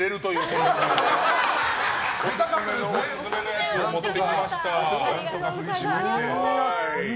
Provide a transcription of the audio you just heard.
オススメのやつを持ってきました。